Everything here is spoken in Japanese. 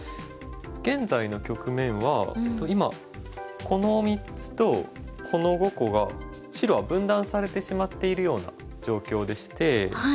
現在の局面は今この３つとこの５個が白は分断されてしまっているような状況でして。